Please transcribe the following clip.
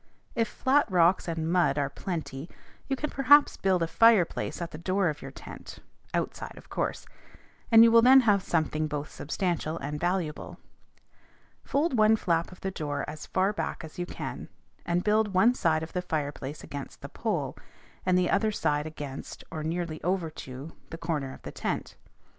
If flat rocks and mud are plenty, you can perhaps build a fireplace at the door of your tent (outside, of course), and you will then have something both substantial and valuable. Fold one flap of the door as far back as you can, and build one side of the fireplace against the pole, and the other side against, or nearly over to, the corner of the tent.